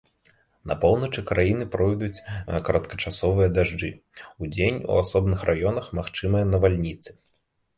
На поўначы краіны пройдуць кароткачасовыя дажджы, удзень у асобных раёнах магчымыя навальніцы.